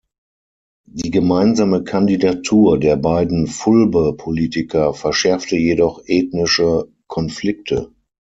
Die gemeinsame Kandidatur der beiden Fulbe-Politiker verschärfte jedoch ethnische Konflikte.